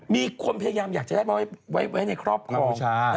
มีคนพยายามอยากจะได้ไว้ในครอบครอง